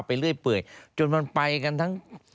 เรื่อยเปื่อยจนมันไปกันทั้ง